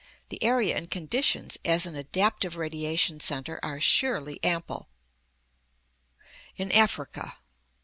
The area and conditions as an adaptive radiation center are surely ample. In Africa.